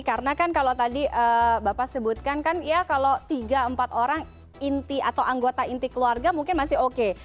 karena kan kalau tadi bapak sebutkan kan ya kalau tiga empat orang inti atau anggota inti keluarga mungkin masih oke